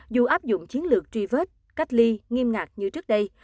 dù áp dụng chiến lược tri vết cách ly nghiêm ngạc như trước đây